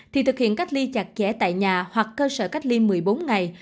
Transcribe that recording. thì thực hiện cách ly chặt chẽ tại nhà hoặc cơ sở cách ly một mươi bốn ngày